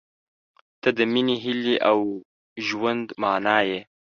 • ته د مینې، هیلې، او ژوند معنی یې.